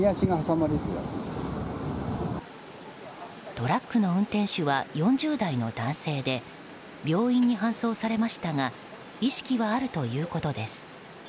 トラックの運転手は４０代の男性で病院に搬送されましたが意識はあるということです。